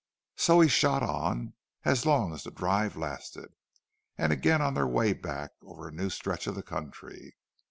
So he shot on, as long as the drive lasted, and again on their way back, over a new stretch of the country.